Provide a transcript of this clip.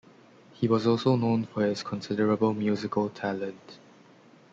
He was also known for his considerable musical talent.